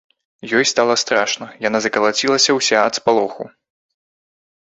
Ёй стала страшна, яна закалацілася ўся ад спалоху.